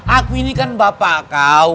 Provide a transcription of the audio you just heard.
aku ini kan bapak kau